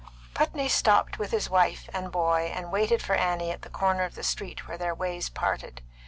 Putney stopped with his wife and boy and waited for Annie at the corner of the street where their ways parted.